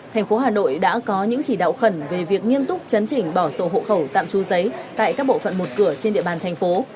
thành phố hà nội đã có những chỉ đạo khẩn về việc nghiêm túc chấn chỉnh bỏ sổ hộ khẩu tạm trú giấy tại các bộ phận một cửa trên địa bàn thành phố